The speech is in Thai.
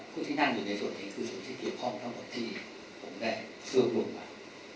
ผู้ที่นั่งอยู่ในส่วนนี้คือส่วนที่เกี่ยวข้องทั้งหมดที่ผมได้รวบรวมมา